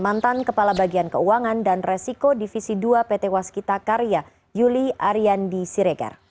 mantan kepala bagian keuangan dan resiko divisi dua pt waskita karya yuli ariyandi siregar